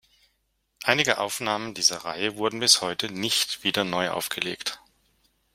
Einige Aufnahmen dieser Reihe wurden bis heute nicht wieder neu aufgelegt.